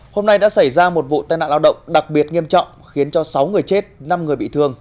hôm nay đã xảy ra một vụ tai nạn lao động đặc biệt nghiêm trọng khiến cho sáu người chết năm người bị thương